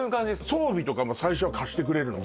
装備も最初は貸してくれるの？